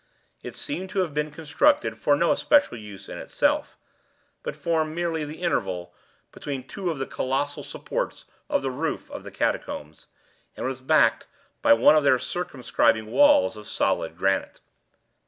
It seemed to have been constructed for no especial use in itself, but formed merely the interval between two of the colossal supports of the roof of the catacombs, and was backed by one of their circumscribing walls of solid granite.